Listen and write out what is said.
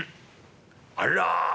あら！